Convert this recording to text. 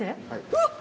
うわっ！